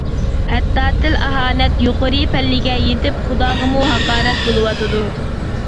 ھەتتا تىل-ئاھانەت يۇقىرى پەللىگە يېتىپ خۇداغىمۇ ھاقارەت بولۇۋاتىدۇ.